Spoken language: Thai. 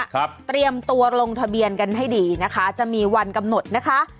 เตรียมตัวลงทะเบียนกันให้ดีนะคะจะมีวันกำหนดนะคะ